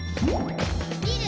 「みる！